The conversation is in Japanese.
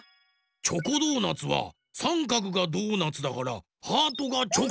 チョコドーナツはさんかくがドーナツだからハートがチョコ。